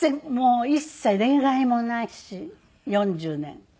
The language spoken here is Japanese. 一切恋愛もないし４０年。